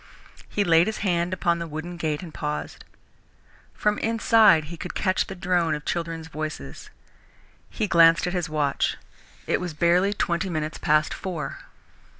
He laid his hand upon the wooden gate and paused. From inside he could catch the drone of children's voices. He glanced at his watch. It was barely twenty minutes past four.